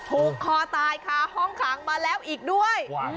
ผูกคอตายค่ะห้องขังมาแล้วอีกด้วย